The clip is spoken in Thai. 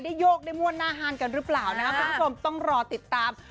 ได้โยกได้มวดหน้าฮ่านกันหรือเปล่านะครับทุกคนต้องรอติดตาม